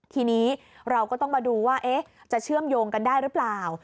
ทีนี้เราก็ต้องมาดูว่าจะเชื่อมโยงกันได้หรือเปล่า